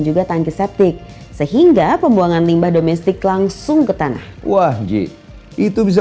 juga tangki septik sehingga pembuangan limbah domestik langsung ke tanah wahji itu bisa